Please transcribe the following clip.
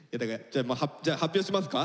じゃあ発表しますか？